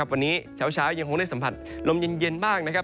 วันนี้เช้าช้ายยังคงได้สัมผัสลมเย็นบ้าง